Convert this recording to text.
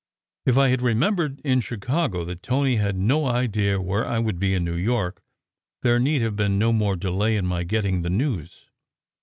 If I had remembered in Chicago that Tony had no idea where I would be in New York, there need have been no more delay in my getting the news.